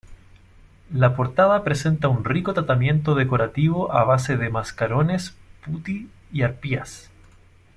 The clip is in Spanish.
La portada presenta un rico tratamiento decorativo a base de mascarones, putti y arpías.